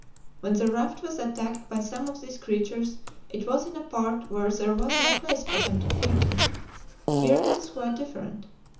When the raft was attacked by some of these creatures it was in a part where there was no place for them to flee to. Here it is quite different.